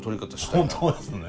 本当ですね。